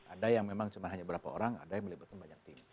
ada yang memang cuma hanya berapa orang ada yang melibatkan banyak tim